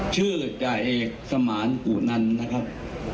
ชื่อจ่ายเอกสมานอุตนันนะครับ